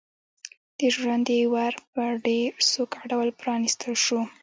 د ژرندې ور په ډېر سوکه ډول پرانيستل شو.